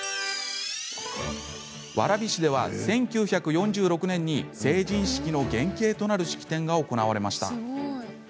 蕨市では１９４６年に成人式の原形となる式典が行われました。